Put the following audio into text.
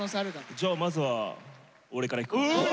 じゃあまずは俺からいくわ。かっけえ！